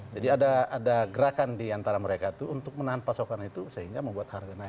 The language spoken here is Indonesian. jadi ada gerakan di antara mereka tuh untuk menahan pasokan itu sehingga membuat harga naik